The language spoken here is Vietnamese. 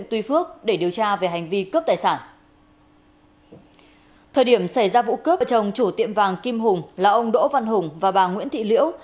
thời điểm xảy ra vụ cướp chồng chủ tiệm vàng kim hùng là ông đỗ văn hùng và bà nguyễn thị liễu